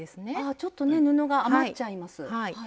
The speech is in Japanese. ちょっとね布が余っちゃいます。